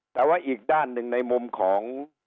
แต่ว่าอีกด้านหนึ่งในมุมของ